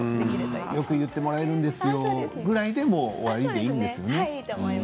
よく言ってもらえるんですというぐらいでいいんですね。